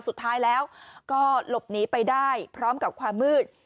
สุดท้ายแล้วก็หลบหนีไปได้พร้อมกับความมืด